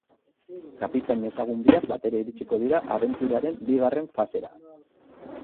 Kapitain ezagun biak batera iritsiko dira abenturaren bigarren fasera.